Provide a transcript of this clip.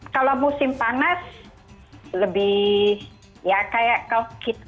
kalau musim panas lebih ya kayak kalau kita